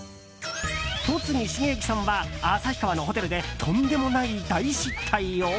戸次重幸さんは旭川のホテルでとんでもない大失態を。